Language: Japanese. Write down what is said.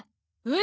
え？